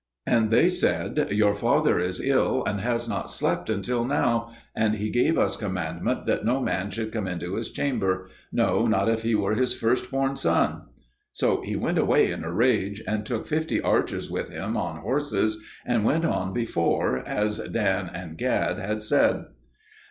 And they said, "Your father is ill and has not slept until now, and he gave us commandment that no man should come into his chamber, no, not if it were his firstborn son." So he went away in a rage, and took fifty archers with him on horses and went on before, as Dan and Gad had said.